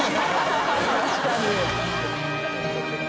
確かに。